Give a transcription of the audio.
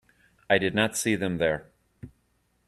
I did not see them there.